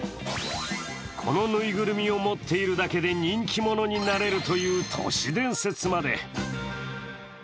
この縫いぐるみを持っているだけで人気者になれるという都市伝説まで。